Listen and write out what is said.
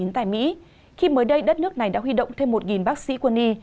tại mỹ khi mới đây đất nước này đã huy động thêm một bác sĩ quân y